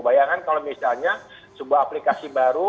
bayangkan kalau misalnya sebuah aplikasi baru